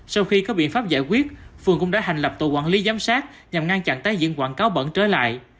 sau khi có biện pháp giải quyết phường cũng đã hành lập tổ quản lý giám sát nhằm ngăn chặn tái diện quảng cáo bẩn trở lại